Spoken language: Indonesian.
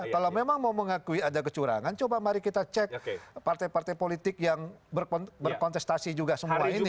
kalau memang mau mengakui ada kecurangan coba mari kita cek partai partai politik yang berkontestasi juga semua ini